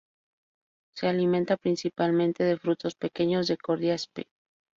Se alimenta principalmente de frutos pequeños de "Cordia" spp.